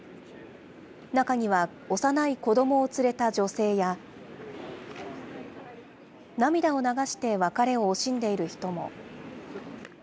中には幼い子どもを連れた女性や、涙を流して別れを惜しんでいる人も。